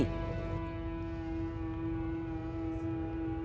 kenapa belum mati